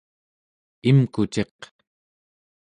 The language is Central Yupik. imkuciq